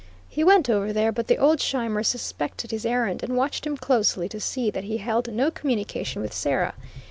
He went over there, but the old Scheimers suspected his errand, and watched him closely to see that he held no communication with Sarah.